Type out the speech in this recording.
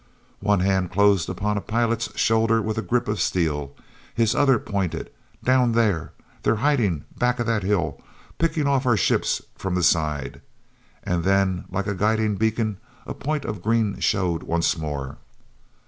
One hand closed upon a pilot's shoulder with a grip of steel; his other pointed. "Down there—they're hiding back of that hill, picking off our ships from the side." And then, like a guiding beacon, a point of green showed once more.